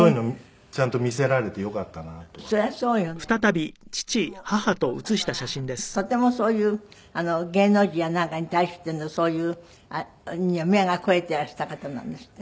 でもお父様はとてもそういう芸能人やなんかに対してのそういうのには目が肥えていらした方なんですって？